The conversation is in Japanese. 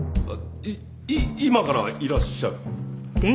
い今からいらっしゃる？